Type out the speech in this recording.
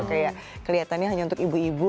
kayak kelihatannya hanya untuk ibu ibu